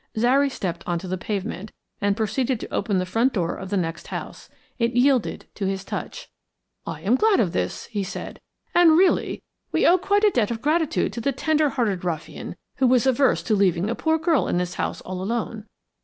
Zary stepped on to the pavement, and proceeded to open the front door of the next house. It yielded to his touch. "I am glad of this," he said; "and, really, we owe quite a debt of gratitude to the tender hearted ruffian who was averse to leaving a poor girl in this house all alone.